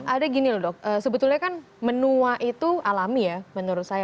ada gini loh dok sebetulnya kan menua itu alami ya menurut saya